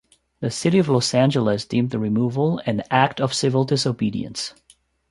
The City of Los Angeles deemed the removal an act of civil disobedience.